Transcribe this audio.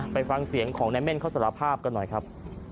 ไปฟังเสียงของนายเม่นเขาสารภาพกันหน่อยครับ